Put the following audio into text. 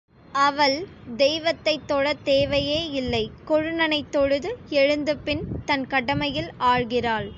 அவள் தெய்வத்தைத் தொழத் தேவையே இல்லை கொழுநனைத் தொழுது எழுந்து பின் தன் கடமையில் ஆழ்கிறாள்.